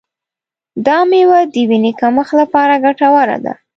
دا میوه د وینې کمښت لپاره ګټوره ده.